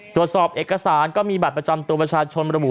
ตรวจสอบเอกสารก็มีบัตรประจำตัวประชาชนระบุ